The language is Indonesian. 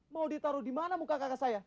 mau ditaruh di mana muka kakak saya